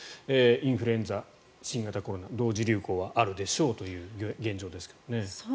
インフルエンザ、新型コロナ同時流行はあるでしょうという現状ですが。